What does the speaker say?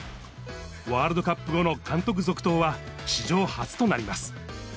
ワールドカップ後の監督続投は史上初となります。